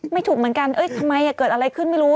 ไม่ถูกเหมือนกันทำไมเกิดอะไรขึ้นไม่รู้